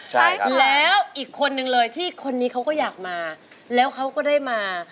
ใช่ครับแล้วอีกคนนึงเลยที่คนนี้เขาก็อยากมาแล้วเขาก็ได้มา